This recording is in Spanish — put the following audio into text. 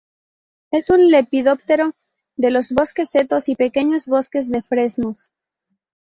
Es un lepidóptero de los bosques, setos y pequeños bosques de fresnos.